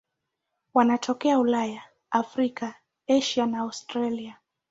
Wanatokea Ulaya, Afrika, Asia na Australia.